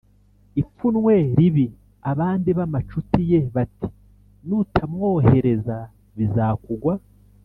ipfunwe ribi?” Abandi b’amacuti ye bati: “Nutamwohereza bizakugwa